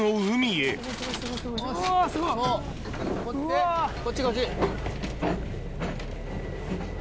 でこっちこっち。